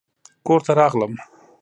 کور ته راغلم